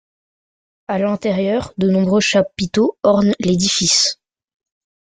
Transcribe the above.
À l'intérieur de nombreux chapiteaux ornent l'édifice.